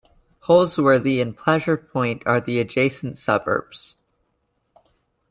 Holsworthy and Pleasure Point are the adjacent suburbs.